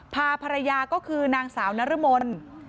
พาภรรยาก็คือนางสาวนรมน